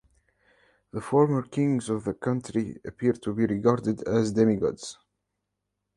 The former kings of the country appear to be regarded as demigods.